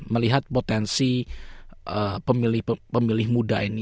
melihat potensi pemilih pemilih muda ini